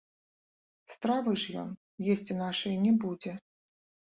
Стравы ж ён есці нашае не будзе.